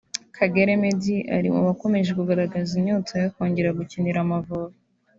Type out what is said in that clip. Kagere Meddie uri mu bakomeje kugaragaza inyota yo kongera gukinira Amavubi